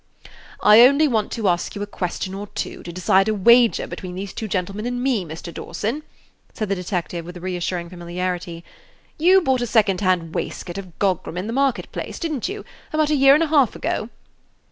"I only want to ask you a question or two to decide a wager between these two gentlemen and me, Mr. Dawson," said the detective, with reassuring familiarity. "You bought a second hand waistcoat of Gogram, in the market place, did n't you, about a year and a half ago?"